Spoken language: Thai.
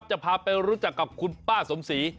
จะพาไปรู้จักกับคุณป้าสมศรี